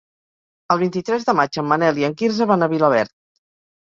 El vint-i-tres de maig en Manel i en Quirze van a Vilaverd.